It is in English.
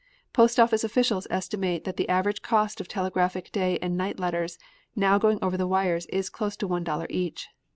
Postoffice officials estimate that the average cost of telegraphic day and night letters now going over the wires is close to one dollar each.